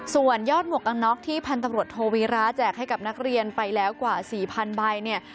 ส่วนยอดหมวกกันน็อกที่พันตำรวจโทวีระแจกให้กับนักเรียนไปแล้วกว่า๔๐๐๐ใบเนี่ย